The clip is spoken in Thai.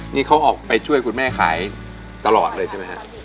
นี่เขาออกไปช่วยคุณแม่ขายตลอดเลยใช่ไหมฮะ